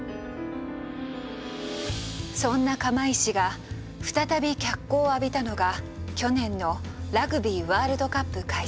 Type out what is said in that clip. そんな釜石が再び脚光を浴びたのが去年のラグビーワールドカップ開催。